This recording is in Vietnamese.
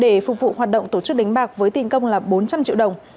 để phục vụ hoạt động tổ chức đánh bạc với tiền công là bốn trăm linh triệu đồng